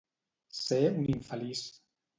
Ser un infeliç.